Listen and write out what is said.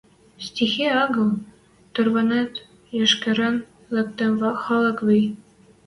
Стихия агыл, тӓрвӓтен-йышкырен лыкмы халык ви.